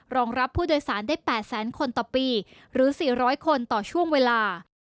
รองรับผู้โดยสารได้๘แสนคนต่อปีหรือ๔๐๐คนต่อช่วงเวลา